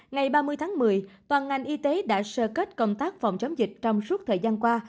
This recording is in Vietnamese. ngày ba mươi tháng một mươi toàn ngành y tế đã sơ kết công tác phòng chống dịch trong suốt thời gian qua